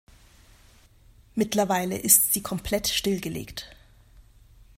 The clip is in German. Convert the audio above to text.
Mittlerweile ist sie komplett stillgelegt.